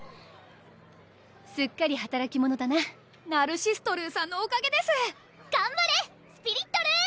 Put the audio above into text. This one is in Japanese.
すっかりはたらき者だなナルシストルーさんのおかげですがんばれスピリットルー！